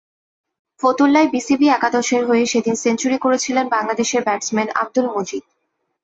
ফতুল্লায় BCB একাদশের হয়ে সেদিন সেঞ্চুরি করেছিলেন বাংলাদেশের ব্যাটসম্যান আবদুল মজিদ।